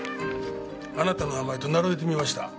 あなたの名前と並べてみました。